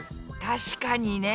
確かにね。